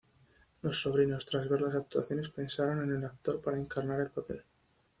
Los sobrinos, tras ver las actuaciones, pensaron en el actor para encarnar el papel.